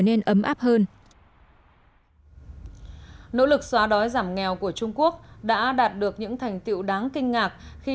nên ấm áp hơn nỗ lực xóa đói giảm nghèo của trung quốc đã đạt được những thành tiệu đáng kinh ngạc khi